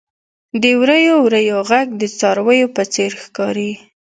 • د وریو وریو ږغ د څارويو په څېر ښکاري.